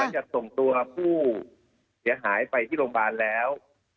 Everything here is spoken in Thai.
จะส่งตัวผู้หายไปที่โรงพาณแล้ว